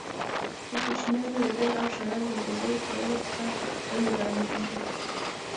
د کوچنیانو رټل او شړل له بازئ کولو څخه ښه نه ګڼل کیږي.